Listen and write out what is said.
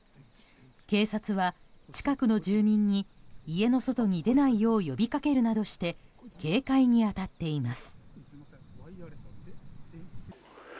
警察は近くの住民に家の外に出ないよう呼びかけるなどして警戒に当たっています。